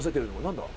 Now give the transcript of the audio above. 何だ？